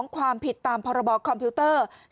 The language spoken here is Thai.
ความผิดตามพรบคอมพิวเตอร์